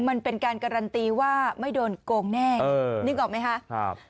มันเป็นการการันตีว่าไม่โดนโกงแน่นึกออกไหมคะ